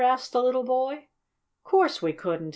asked the little boy. "Course we couldn't!"